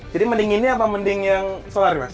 jadi mending ini apa mending yang solar nih mas